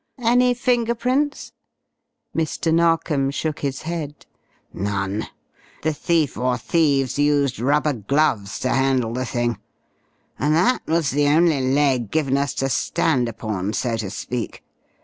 Any finger prints?" Mr. Narkom shook his head. "None. The thief or thieves used rubber gloves to handle the thing. And that was the only leg given us to stand upon, so to speak.